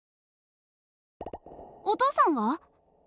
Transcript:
お父さんは？